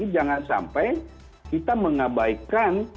jangan sampai kita mengabaikan